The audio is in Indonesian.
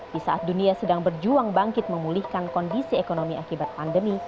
di saat dunia sedang berjuang bangkit memulihkan kondisi ekonomi akibat pandemi